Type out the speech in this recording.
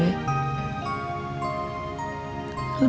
dahal setau gue